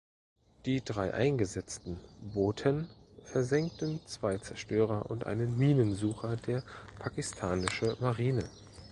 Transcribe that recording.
Die drei eingesetzten Booten versenkten zwei Zerstörer und einen Minensucher der pakistanische Marine.